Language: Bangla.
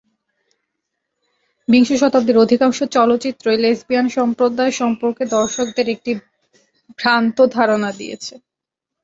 বিংশ শতাব্দীর অধিকাংশ চলচ্চিত্রই লেসবিয়ান সম্প্রদায় সম্পর্কে দর্শকদের একটি ভ্রান্ত ধারণা দিয়েছে।